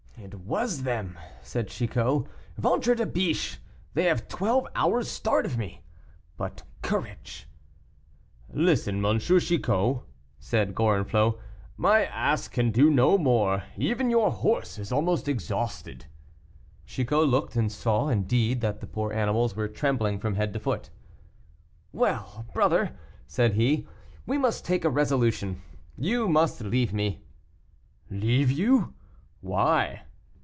"It was them," said Chicot; "ventre de biche! they have twelve hours' start of me. But courage!" "Listen, M. Chicot!" said Gorenflot, "my ass can do no more, even your horse is almost exhausted." Chicot looked, and saw, indeed, that the poor animals were trembling from head to foot. "Well! brother," said he, "we must take a resolution. You must leave me." "Leave you; why?"